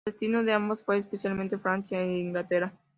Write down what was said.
El destino de ambos fue especialmente Francia e Inglaterra.